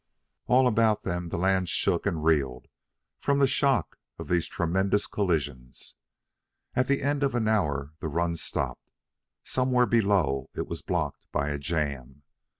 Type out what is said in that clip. All about them the land shook and reeled from the shock of these tremendous collisions. At the end of an hour the run stopped. Somewhere below it was blocked by a jam.